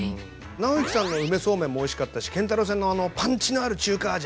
尚之さんの梅そうめんもおいしかったし建太郎さんのパンチのある中華味